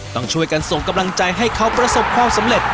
ต้องช่วยกันส่งกำลังใจให้เขาประสบความสำเร็จ